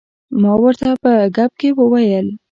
ما ورته په ګپ کې وویل.